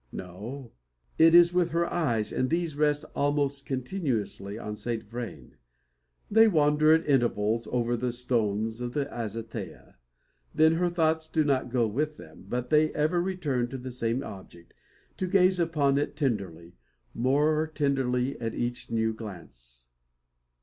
No; it is with her eyes, and these rest almost continuously on Saint Vrain. They wander at intervals over the stones of the azotea; then her thoughts do not go with them; but they ever return to the same object, to gaze upon it tenderly, more tenderly at each new glance.